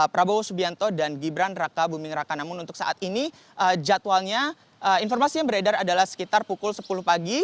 prabowo subianto dan gibran raka buming raka namun untuk saat ini jadwalnya informasi yang beredar adalah sekitar pukul sepuluh pagi